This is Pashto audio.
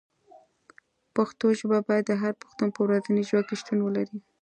پښتو ژبه باید د هر پښتون په ورځني ژوند کې شتون ولري.